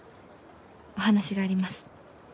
お話があります。